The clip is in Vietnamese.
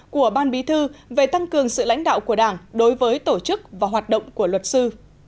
của ban bí thư về tăng cường sự lãnh đạo của đảng đối với tổ chức và hoạt động của luật sư